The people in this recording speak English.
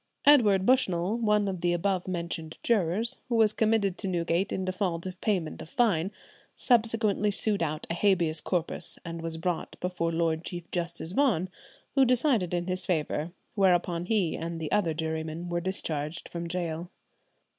Edward Bushell, one of the above mentioned jurors, who was committed to Newgate in default of payment of fine, subsequently sued out a Habeas Corpus, and was brought before Lord Chief Justice Vaughan, who decided in his favour, whereon he and the other jurymen were discharged from gaol.